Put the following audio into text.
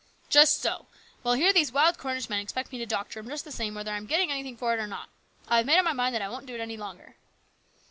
"Just so. Well, here these wild Cornish men expect me to doctor 'em just the same whether I am getting anything for it or not. I have made up my mind that I won't do it any longer."